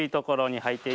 はい。